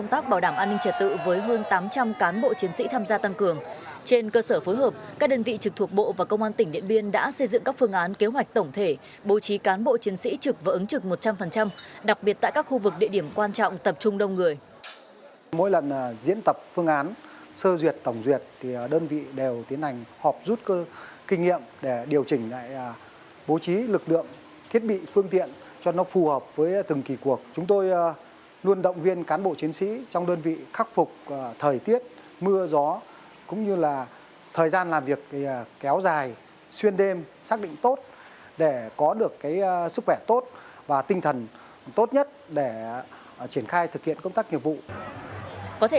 để bảo đảm an ninh an tỉnh điện biên đã xây dựng các phương án ban hành kế hoạch cụ thể phối hợp hiệp đồng với các lực lượng khác